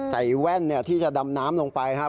แว่นที่จะดำน้ำลงไปครับ